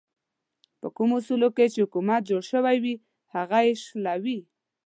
په کومو اصولو چې حکومت جوړ شوی وي هغه یې شلوي.